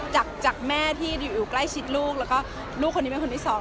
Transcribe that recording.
จากแม่ที่อยู่ใกล้ชิดลูกแล้วก็ลูกคนนี้เป็นคนที่สอง